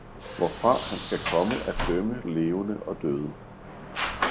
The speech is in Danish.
hvorfra han skal komme at dømme levende og døde.